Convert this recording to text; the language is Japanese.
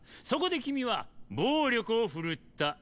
そこで君は暴力を振るった。